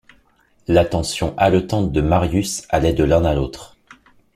L’attention haletante de Marius allait de l’un à l’autre.